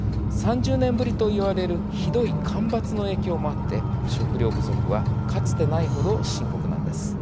３０年ぶりといわれるひどい干ばつの影響もあって食料不足はかつてないほど深刻なんです。